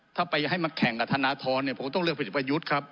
ถ้าไปให้มาแข่งธนธรณฑ์เนี่ยผมก็ต้องเลือกพระเอกประยุทธครับ